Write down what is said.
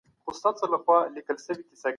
د وینې په څېر ګرځي.